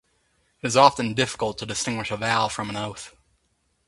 It is often difficult to distinguish a vow from an oath.